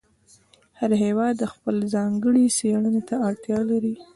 هر هېواد خپلې ځانګړې څېړنې ته اړتیا لري.